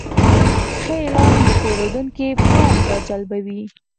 ښه اعلان د پیرودونکي پام راجلبوي.